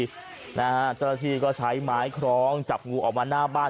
เจ้าหน้าที่ก็ใช้ไม้คล้องจับงูออกมาหน้าบ้าน